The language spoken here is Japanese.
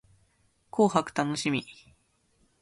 紅白楽しみ